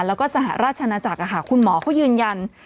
แล้วก็สหราชนาจักรคุณหมอเขายืนยัน